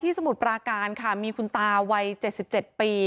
สมุทรปราการค่ะมีคุณตาวัย๗๗ปี